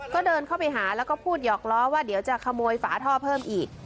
ก็เดินเข้าไปหาแล้วก็พูดหยอกล้อว่าเดี๋ยวจะขโมยฝาท่อเพิ่มอีก